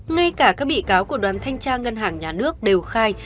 ngay cả các bị cáo của đoàn thanh tra ngân hàng nhà nước đều khai